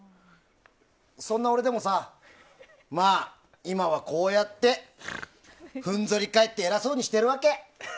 そんな俺でもさまあ、今はこうやって踏ん反りかえって偉そうにしてるわけ。